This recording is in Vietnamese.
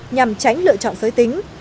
nhằm tránh lựa chọn giới tính